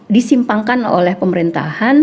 disimpangkan oleh pemerintahan